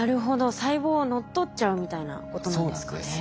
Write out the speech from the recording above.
細胞を乗っ取っちゃうみたいなことなんですかね。